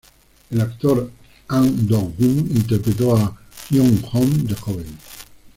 El actor Ahn Do-gyu interpretó a Hyung-joon de joven.